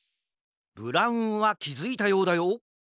ブラウンはきづいたようだよ。